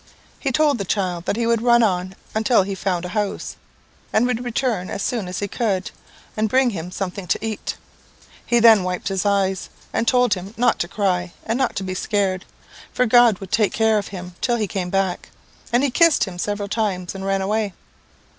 He told the child that he would run on until he found a house, and would return as soon as he could, and bring him something to eat. He then wiped his eyes, and told him not to cry, and not to be scared, for God would take care of him till he came back, and he kissed him several times, and ran away.